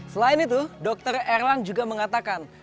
selain itu dokter erlang juga mengatakan